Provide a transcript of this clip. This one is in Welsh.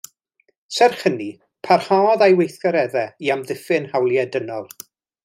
Serch hynny, parhaodd â'i gweithgareddau i amddiffyn hawliau dynol.